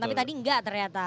tapi tadi tidak ternyata